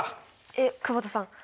えっ久保田さん。